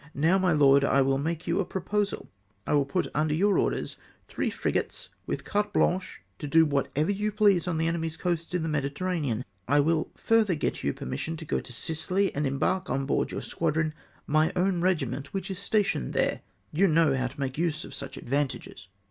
Now, my lord, I will make you a proposal. I will put under your orders three frigates, with carte blanche to do whatever you please on the enemy's coasts in the Mediterranean. I will further get you permission to go to Sicily, and embark on board your squadron my own regiment, wdiich is stationed there. You know how to make use of such advantages."